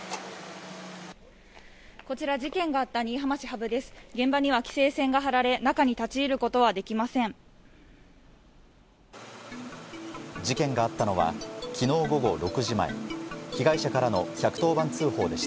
こちら事件があった新居浜市垣生です。